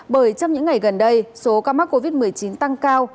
bởi trong những ngày gần đây số ca mắc covid một mươi chín tăng cao